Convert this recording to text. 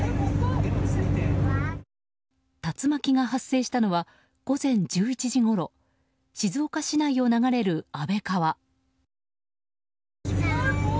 竜巻が発生したのは午前１１時ごろ静岡市内を流れる安倍川。